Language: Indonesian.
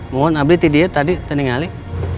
mohon ambil tidinya tadi tadi ngalik